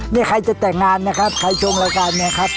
นี่ใครจะแต่งงานนะครับใครชมรายการเนี่ยครับ